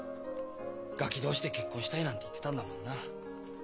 ガキ同士で「結婚したい」なんて言ってたんだもんな。